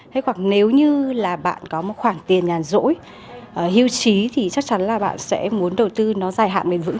thế hoặc nếu như là bạn có một khoản tiền nhà dỗi hiêu trí thì chắc chắn là bạn sẽ muốn đầu tư nó dài hạn bền vững